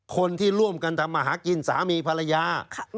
คนที่ร่วมกันทำมาหากินสามีภรรยา